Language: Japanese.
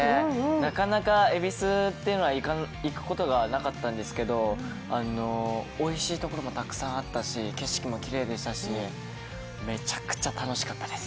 なかなか恵比寿っていうのは行くことがなかったんですけど、おいしいところもたくさんあったし景色もきれいでしたしめちゃくちゃ楽しかったです。